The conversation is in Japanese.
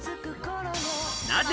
なぜ？